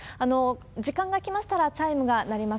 時間が来ましたら、チャイムが鳴ります。